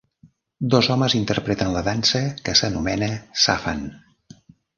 Dos homes interpreten la dansa, que s'anomena "Zaffan".